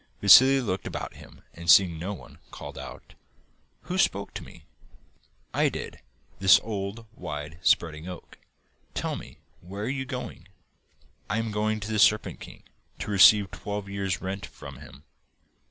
Vassili looked about him, and, seeing no one, called out: 'Who spoke to me?' 'I did; this old wide spreading oak. Tell me where you are going.' 'I am going to the Serpent King to receive twelve years' rent from him.